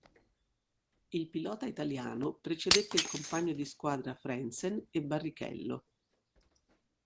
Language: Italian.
Il pilota italiano precedette il compagno di squadra Frentzen e Barrichello.